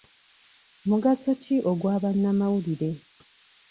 Mugaso ki ogwa bannamawulire?